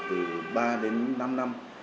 từ ba đến năm năm